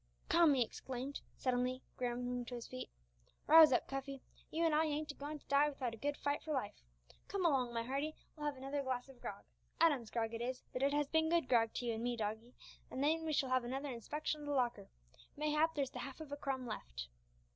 "Come," he exclaimed, suddenly, scrambling to his feet, "rouse up, Cuffy; you an' I ain't a goin' to die without a good fight for life. Come along, my hearty; we'll have another glass of grog Adam's grog it is, but it has been good grog to you an' me, doggie an' then we shall have another inspection o' the locker; mayhap there's the half of a crumb left."